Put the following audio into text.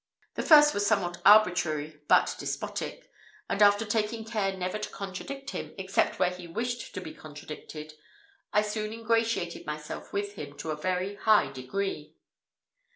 The first was somewhat arbitrary but despotic, and, by taking care never to contradict him, except where he wished to be contradicted, I soon ingratiated myself with him to a very high degree.